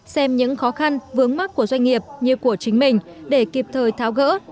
xem những khó khăn vướng mắt của doanh nghiệp như của chính mình để kịp thời tháo gỡ